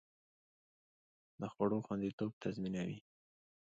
د خوړو خوندیتوب تضمینوي.